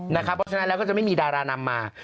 เพราะฉะนั้นแล้วก็จะไม่มีดารานำมา